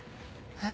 えっ？